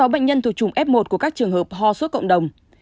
sáu bệnh nhân thuộc chủng f một của các trường hợp ho suốt cộng đồng